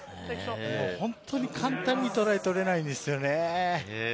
本当に簡単にトライが取れないんですよね。